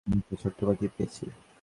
একটা ছোট্ট পাখি পেয়েছি।